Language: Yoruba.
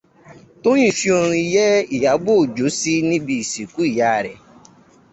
Tóyìn fi orin yẹ́ Ìyábò Òjó sí níbi ìsìnkú ìyá rẹ̀.